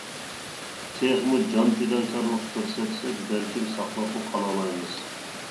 تېخىمۇ جان پىداكارلىق كۆرسەتسەك بەلكىم ساقلاپمۇ قالالايمىز.